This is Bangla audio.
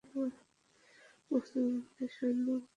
মুসলমানদের সৈন্য-বল নিঃশেষ হয়ে গেছে।